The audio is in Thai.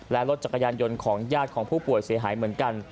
และรถจักรยานยนต์ของญาติของผู้ป่วยเสียหายเหมือนกัน